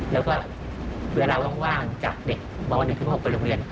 แล้วก็เวลาว่างจากเด็กม๑ถึง๖ไปโรงเรียน